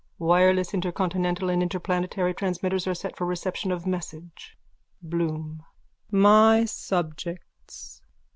Wireless intercontinental and interplanetary transmitters are set for reception of message.)_ BLOOM: My subjects!